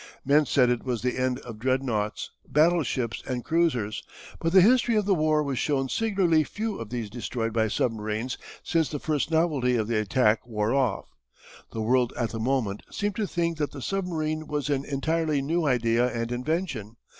Men said it was the end of dreadnoughts, battleships, and cruisers, but the history of the war has shown singularly few of these destroyed by submarines since the first novelty of the attack wore off. The world at the moment seemed to think that the submarine was an entirely new idea and invention.